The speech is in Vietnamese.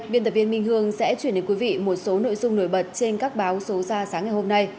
biên tập viên minh hương sẽ chuyển đến quý vị một số nội dung nổi bật trên các báo số ra sáng ngày hôm nay